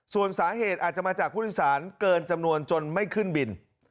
ส่วนสาเหตุอาจจะมาจากผู้โดยสารเกินจำนวนจนไม่ขึ้นบิน